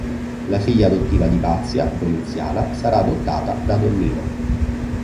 La figlia adottiva di Ipazia, Domiziana, sarà adottata da Donnino.